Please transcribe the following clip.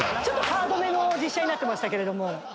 ちょっとハードめの実写になってましたけれども。